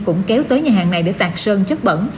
cũng kéo tới nhà hàng này để tạc sơn chất bẩn